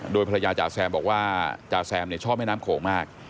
โดยภรรยาจ๋าแซมบอกว่าจ่าแซมชอบแม่น้ำโขงมาก